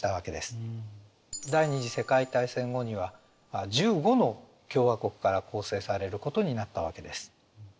第二次世界大戦後には１５の共和国から構成されることになったわけです。